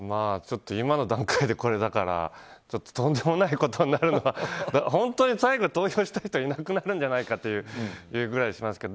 今の段階でこれだからとんでもないことになって本当に最後、投票したい人いなくなるんじゃないかって気がしますけど。